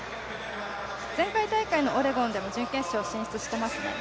前回大会のオレゴンでも準決勝進出していますね。